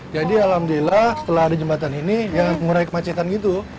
jadi alhamdulillah setelah ada jembatan ini ya ngurai kemacetan gitu